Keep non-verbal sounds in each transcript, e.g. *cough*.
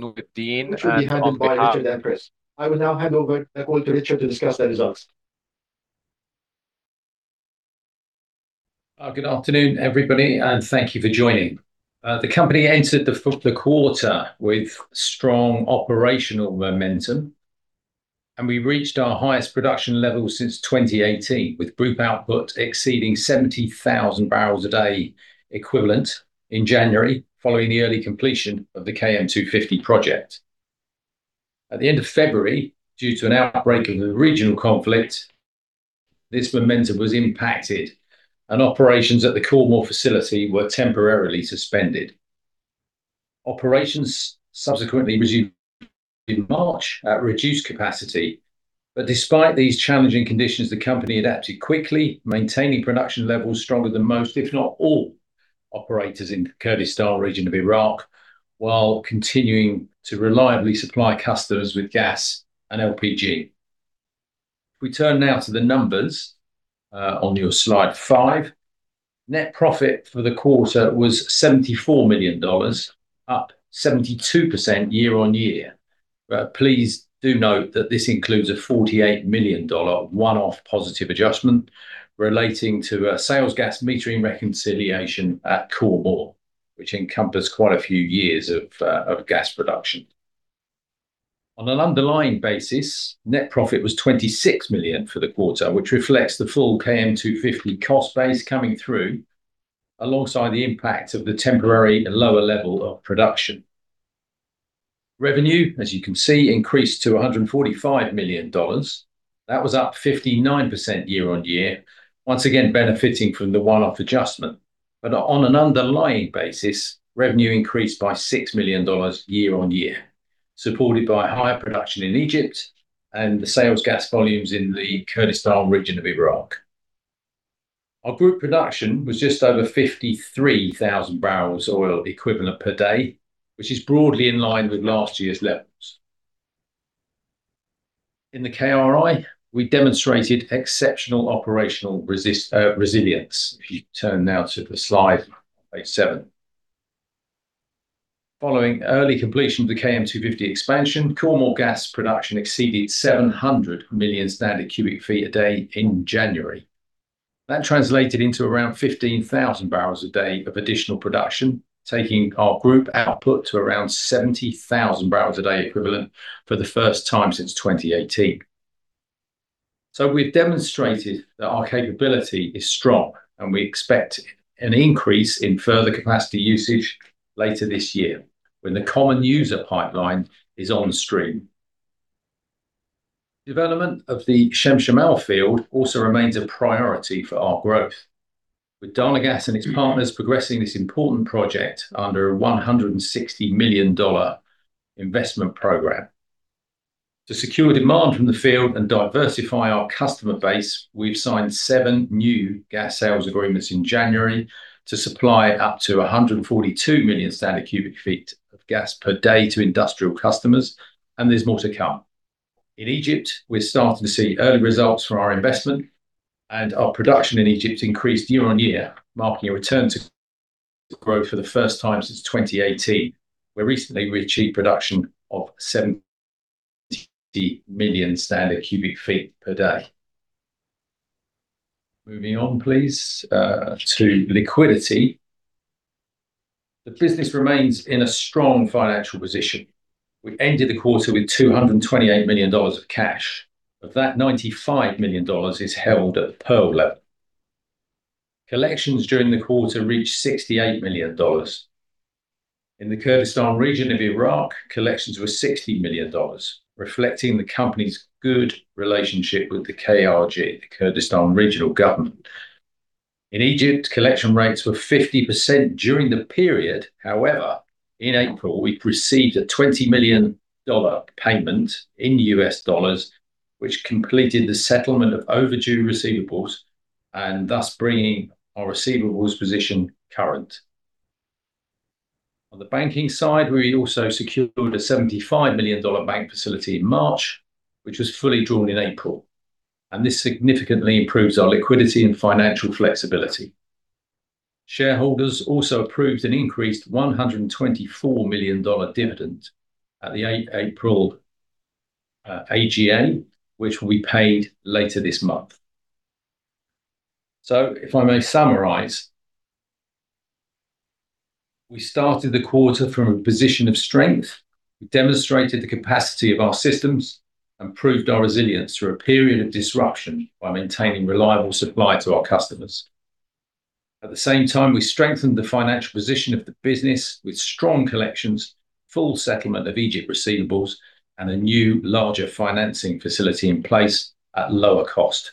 [Nugadeen and Antar] Which will be handled by. *audio distortion* I will now hand over the call to Richard to discuss the results. Good afternoon, everybody, and thank you for joining. The company entered the quarter with strong operational momentum, and we reached our highest production level since 2018, with group output exceeding 70,000 bpd equivalent in January following the early completion of the KM250 project. At the end of February, due to an outbreak of the regional conflict, this momentum was impacted and operations at the Khor Mor facility were temporarily suspended. Operations subsequently resumed in March at reduced capacity. Despite these challenging conditions, the company adapted quickly, maintaining production levels stronger than most, if not all, operators in the Kurdistan Region of Iraq, while continuing to reliably supply customers with gas and LPG. If we turn now to the numbers, on your slide five. Net profit for the quarter was $74 million, up 72% year-on-year. Please do note that this includes a $48 million one-off positive adjustment relating to a sales gas metering reconciliation at Khor Mor, which encompassed quite a few years of gas production. On an underlying basis, net profit was $26 million for the quarter, which reflects the full KM250 cost base coming through alongside the impact of the temporary and lower level of production. Revenue, as you can see, increased to $145 million. That was up 59% year-on-year, once again benefiting from the one-off adjustment. On an underlying basis, revenue increased by $6 million year-on-year, supported by higher production in Egypt and the sales gas volumes in the Kurdistan Region of Iraq. Our group production was just over 53,000 bbl oil equivalent per day, which is broadly in line with last year's levels. In the KRI, we demonstrated exceptional operational resilience, if you turn now to slide seven. Following early completion of the KM250 expansion, Khor Mor gas production exceeded 700 million standard cu ft a day in January. That translated into around 15,000 bpd of additional production, taking our group output to around 70,000 bpd equivalent for the first time since 2018. We've demonstrated that our capability is strong, and we expect an increase in further capacity usage later this year when the common user pipeline is on stream. Development of the Chemchemal field also remains a priority for our growth, with Dana Gas and its partners progressing this important project under a $160 million investment program. To secure demand from the field and diversify our customer base, we've signed seven new Gas Sales Agreements in January to supply up to 142 million standard cu ft of gas per day to industrial customers, there's more to come. In Egypt, we're starting to see early results from our investment, our production in Egypt increased year-on-year, marking a return to growth for the first time since 2018, where recently we achieved production of 70 million standard cu ft per day. Moving on, please, to liquidity. The business remains in a strong financial position. We ended the quarter with $228 million of cash. Of that, $95 million is held at Pearl level. Collections during the quarter reached $68 million. In the Kurdistan Region of Iraq, collections were $60 million, reflecting the company's good relationship with the KRG, the Kurdistan Regional Government. In Egypt, collection rates were 50% during the period. However, in April, we received a $20 million payment in U.S. dollars, which completed the settlement of overdue receivables, thus bringing our receivables position current. On the banking side, we also secured a $75 million bank facility in March, which was fully drawn in April, This significantly improves our liquidity and financial flexibility. Shareholders also approved an increased $124 million dividend at the April AGM, which will be paid later this month. If I may summarize, we started the quarter from a position of strength. We demonstrated the capacity of our systems and proved our resilience through a period of disruption by maintaining reliable supply to our customers. At the same time, we strengthened the financial position of the business with strong collections, full settlement of Egypt receivables, and a new, larger financing facility in place at lower cost.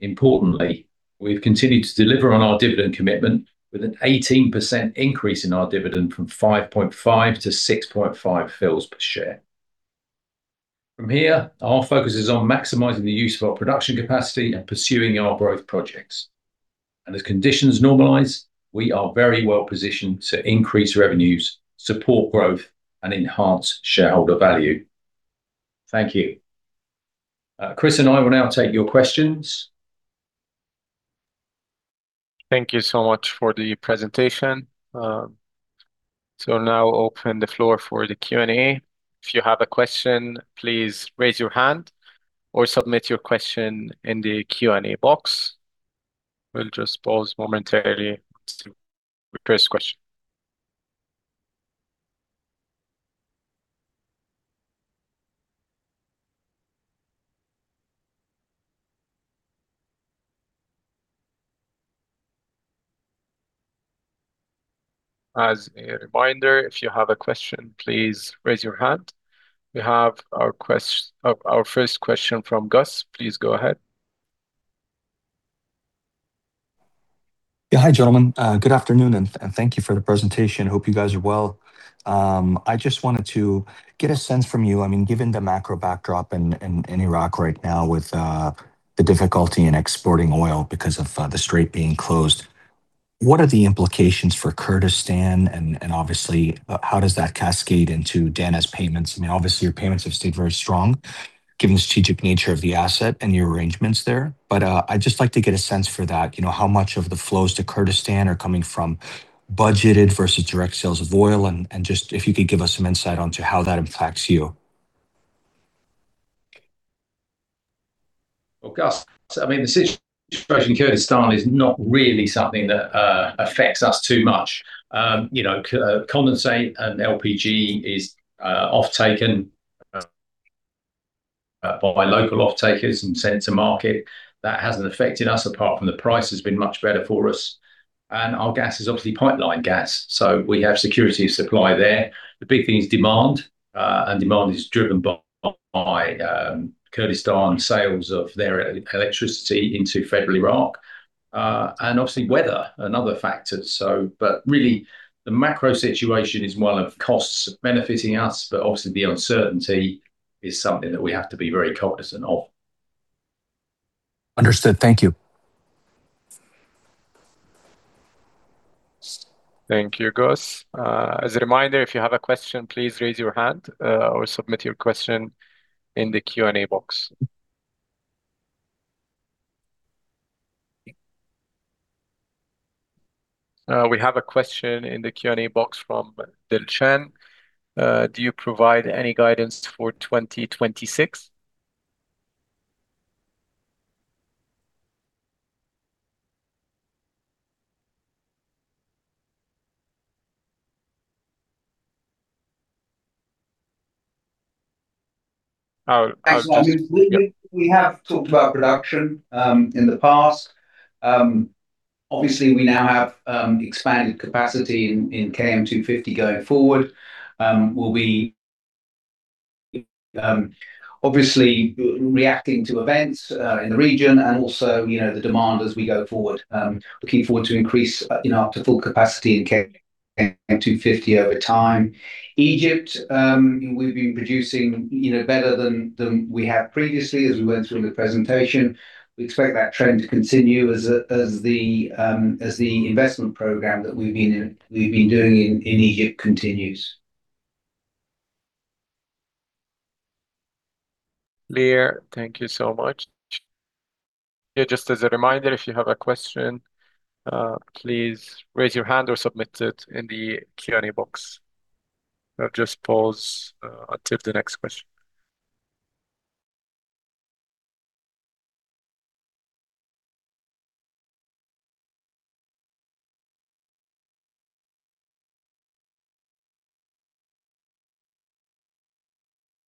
Importantly, we've continued to deliver on our dividend commitment with an 18% increase in our dividend from 5.5 to 6.5 fils per share. From here, our focus is on maximizing the use of our production capacity and pursuing our growth projects. As conditions normalize, we are very well positioned to increase revenues, support growth, and enhance shareholder value. Thank you. Chris and I will now take your questions. Thank you so much for the presentation. I'll now open the floor for the Q&A. If you have a question, please raise your hand or submit your question in the Q&A box. We'll just pause momentarily to the first question. As a reminder, if you have a question, please raise your hand. We have our first question from Gus. Please go ahead. Hi, gentlemen. Good afternoon and thank you for the presentation. Hope you guys are well. I just wanted to get a sense from you. I mean, given the macro backdrop in Iraq right now with the difficulty in exporting oil because of the strait being closed, what are the implications for Kurdistan? Obviously, how does that cascade into Dana's payments? I mean, obviously, your payments have stayed very strong given the strategic nature of the asset and your arrangements there. I'd just like to get a sense for that. You know, how much of the flows to Kurdistan are coming from budgeted versus direct sales of oil? Just if you could give us some insight onto how that impacts you. Well, Gus, I mean, the situation in Kurdistan is not really something that affects us too much. You know, condensate and LPG is offtaken by local offtakers and sent to market. That hasn't affected us, apart from the price has been much better for us. Our gas is obviously pipeline gas, so we have security of supply there. The big thing is demand, and demand is driven by Kurdistan sales of their electricity into federal Iraq, and obviously weather and other factors. Really the macro situation is one of costs benefiting us, but obviously the uncertainty is something that we have to be very cognizant of. Understood. Thank you. Thank you, Gus. As a reminder, if you have a question, please raise your hand, or submit your question in the Q&A box. We have a question in the Q&A box from Dilchan. Do you provide any guidance for 2026? Absolutely. We have talked about production in the past. Obviously we now have expanded capacity in KM250 going forward. We'll be obviously reacting to events in the region and also, you know, the demand as we go forward. Looking forward to increase, you know, up to full capacity in KM250 over time. Egypt, we've been producing, you know, better than we have previously as we went through in the presentation. We expect that trend to continue as the investment program that we've been doing in Egypt continues. Clear. Thank you so much. Just as a reminder, if you have a question, please raise your hand or submit it in the Q&A box. I'll just pause until the next question.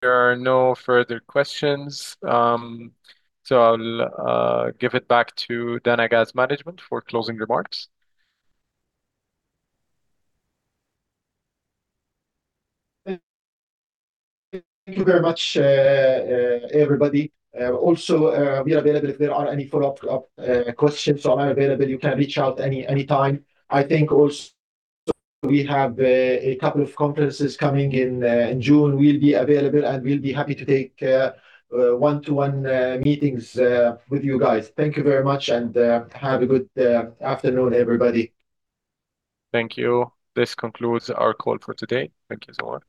There are no further questions. I'll give it back to Dana Gas management for closing remarks. Thank you very much, everybody. Also, we are available if there are any follow-up questions. I'm available, you can reach out anytime. I think also we have a couple of conferences coming in June. We'll be available, and we'll be happy to take one-to-one meetings with you guys. Thank you very much and have a good afternoon, everybody. Thank you. This concludes our call for today. Thank you so much.